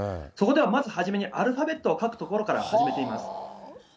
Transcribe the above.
そこではまず初めに、アルファベットを書くところから始めています。